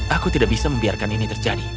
aku tidak bisa membiarkan ini terjadi